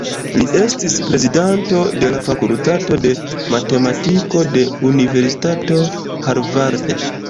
Li estis prezidanto de la fakultato de matematiko de Universitato Harvard.